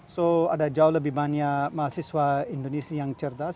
jadi ada jauh lebih banyak mahasiswa indonesia yang cerdas